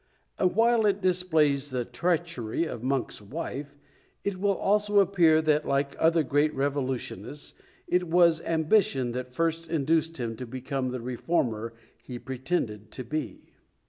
And while it displays the treachery of Monk's wife, it will also appear that, like other great revolutionists, it was ambition that first induced him to become the reformer he pretended to be.